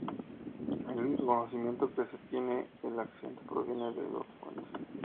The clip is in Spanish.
El único conocimiento que se tiene del accidente proviene de dos fuentes.